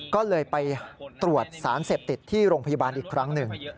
ก็เลยไปตรวจสารเสพติดที่โรงพยาบาลอีกครั้งหนึ่ง